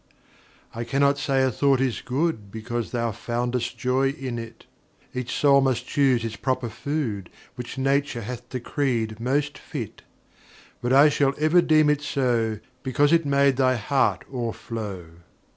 I cannot say a thought is good Because thou foundest joy in it; Each soul must choose its proper food Which Nature hath decreed most fit; But I shall ever deem it so Because it made thy heart o'erflow.